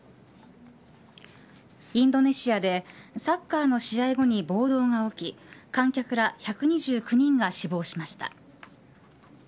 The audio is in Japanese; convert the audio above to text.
インドネシアでサッカーの試合後に暴動が起き観客ら１２９人が死亡しました。